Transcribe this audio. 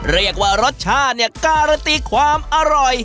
เรียกว่ารสชาติกราบความอร่อย